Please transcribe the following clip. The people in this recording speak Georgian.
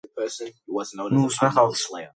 „ნუ უსმენ ხალხს!..“